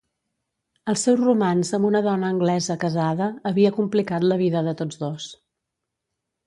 El seu romanç amb una dona anglesa casada havia complicat la vida de tots dos.